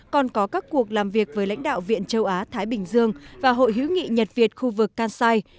còn có các cuộc làm việc với lãnh đạo viện châu á thái bình dương và hội hữu nghị nhật việt khu vực kansai